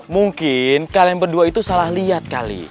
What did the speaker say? mungkin kalian berdua itu salah lihat kali